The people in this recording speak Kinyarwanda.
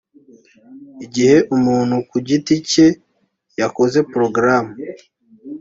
Igihe umuntu ku giti cye yakoze porogaramu